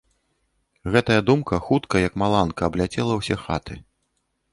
Гэтая думка хутка, як маланка, абляцела ўсе хаты.